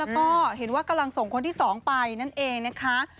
ก็เห็นว่ากำลังส่งคนที่๒ไปนั่นเองนะคะ